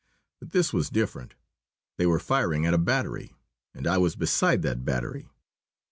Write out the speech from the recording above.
But this was different. They were firing at a battery, and I was beside that battery.